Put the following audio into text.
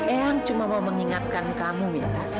eang cuma mau mengingatkan kamu mila